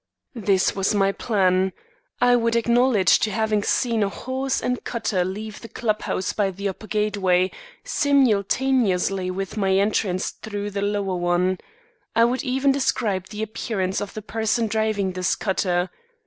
This was my plan. I would acknowledge to having seen a horse and cutter leave the club house by the upper gateway, simultaneously with my entrance through the lower one. I would even describe the appearance of the person driving this cutter.